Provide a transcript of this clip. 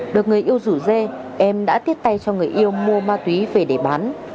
được người yêu rủ dê em đã tiếp tay cho người yêu mua ma túy về để bán